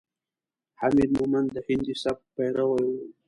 حمید مومند د هندي سبک پیرو ؤ.